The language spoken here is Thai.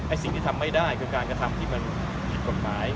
สิ่งที่ทำไม่ได้คือการกระทำที่มันผิดกฎหมาย